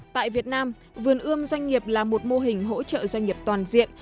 tại việt nam vườn ươm doanh nghiệp là một mô hình hỗ trợ doanh nghiệp toàn diện